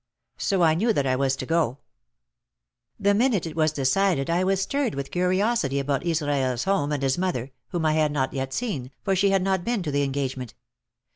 So I knew that I was to go. The minute it was decided I was stirred with curiosity about Israel's home and his mother, whom I had not yet seen, for she had not been to the engage ment.